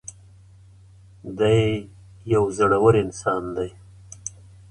دی یو زړور انسان دی.